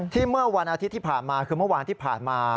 เมื่อวันอาทิตย์ที่ผ่านมาคือเมื่อวานที่ผ่านมา